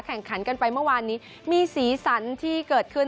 แข่งขันกันไปเมื่อวานนี้มีสีสันที่เกิดขึ้น